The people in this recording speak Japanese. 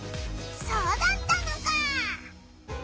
そうだったのか！